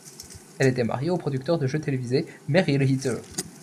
Elle était mariée au producteur de jeux télévisés Merrill Heatter.